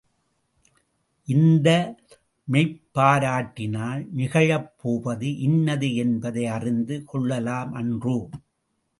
இந்த மெய்ப்பாராட்டினால் நிகழப் போவது இன்னது என்பதை அறிந்து கொள்ளலாம் அன்றோ?